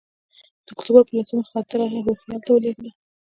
د اکتوبر پر لسمه خاطره روهیال ته ولېږله.